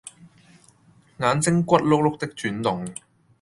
眼睛骨碌碌的轉動